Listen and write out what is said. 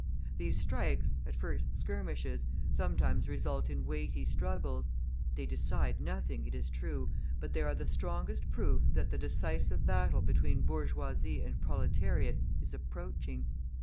These strikes, at first skirmishes, sometimes result in weighty struggles; they decide nothing, it is true, but they are the strongest proof that the decisive battle between bourgeoisie and proletariat is approaching.